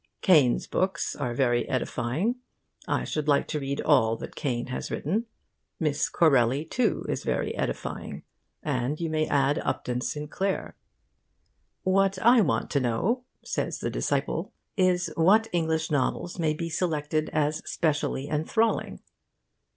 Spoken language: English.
Caine's books are very edifying. I should like to read all that Caine has written. Miss Corelli, too, is very edifying. And you may add Upton Sinclair.' 'What I want to know,' says the disciple, 'is, what English novels may be selected as specially enthralling.